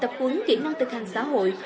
tập quấn kỹ năng thực hành xã hội